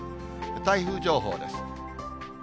台風情報です。